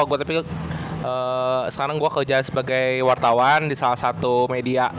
gue tapi sekarang gue kerja sebagai wartawan di salah satu media